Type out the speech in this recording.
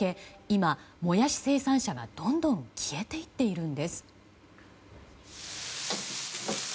今、モヤシ生産者がどんどん消えていっているんです。